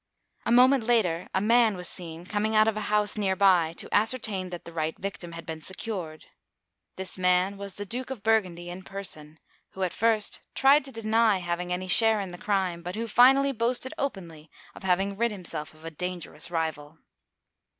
A moment later, a man was seen coming out of a house near by to ascertain that the right victim had been secured. This man was the Duke of Burgundy, in person, who at first tried to deny having any share in the crime, but who finally boasted openly of having rid himself of a dangerous rival.